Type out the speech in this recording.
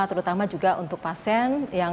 terutama juga untuk pasien